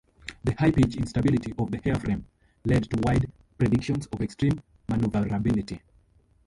The high pitch instability of the airframe led to wide predictions of extreme maneuverability.